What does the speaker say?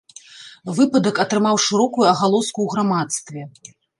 Выпадак атрымаў шырокую агалоску ў грамадстве.